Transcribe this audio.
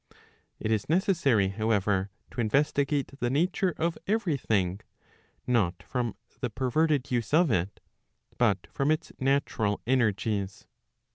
It is necessary, however, to investigate the nature of every thing, not from the perverted use of it, but from its natural energies.